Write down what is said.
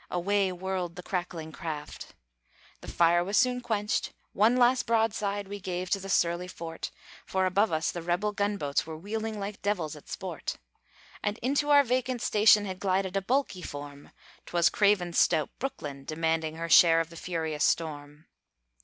Away whirled the crackling raft. The fire was soon quenched. One last broadside We gave to the surly fort; For above us the rebel gunboats Were wheeling like devils at sport. And into our vacant station Had glided a bulky form; 'Twas Craven's stout Brooklyn, demanding Her share of the furious storm.